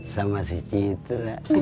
sama si citu